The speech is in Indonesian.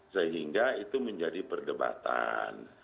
sehingga itu menjadi perdebatan